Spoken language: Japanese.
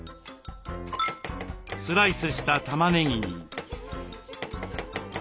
スライスしたたまねぎに。